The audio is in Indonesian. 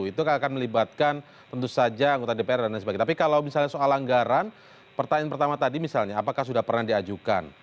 itu akan melibatkan tentu saja anggota dpr dan lain sebagainya tapi kalau misalnya soal anggaran pertanyaan pertama tadi misalnya apakah sudah pernah diajukan